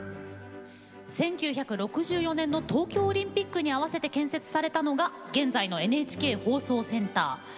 １９６４年の東京オリンピックに合わせて建設されたのが現在のＮＨＫ放送センター。